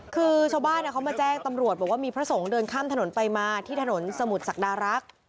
คือชาวบ้านเขามาแจ้งตำรวจบอกว่ามีพระสงฆ์เดินข้ามถนนไปมาที่ถนนสมุทรศักดารักษ์